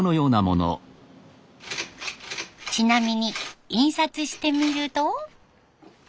ちなみに印刷してみると。